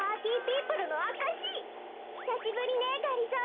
ひさしぶりねがりぞー。